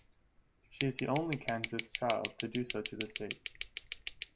She is the only Kansas child to do so to this date.